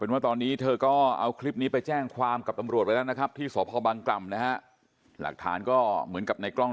หนูนึกว่าแบบเขากลัวเขาเหมือนกัน